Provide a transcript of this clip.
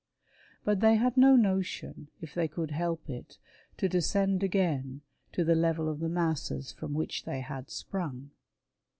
But they had ^no notion, if they could help it, to descend again to the level of the masses from which they had sprung.